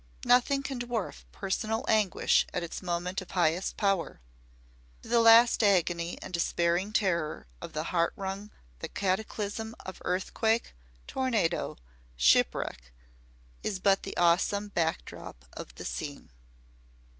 Nothing can dwarf personal anguish at its moment of highest power; to the last agony and despairing terror of the heart wrung the cataclysm of earthquake, tornado, shipwreck is but the awesome back drop of the scene.